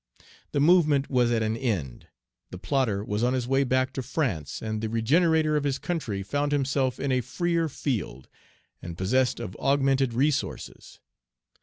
The movement was at an end. The plotter was on his way back to France, and the regenerator of his country found himself in a freer field, and possessed of augmented resources.